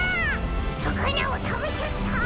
さかなをたべちゃった！